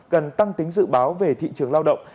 cần tăng tính dự báo về thị trường lao động